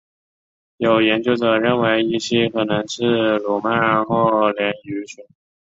有研究者认为依西可能是鲈鳗或鲢鱼群。